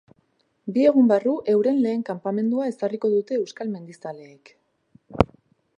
Bi egun barru euren lehen kanpamendua ezarriko dute euskal mendizaleek.